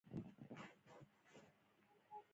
په نظم کې سکته ګي او بې خوندي راځي.